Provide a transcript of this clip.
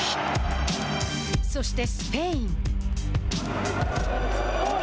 そしてスペイン。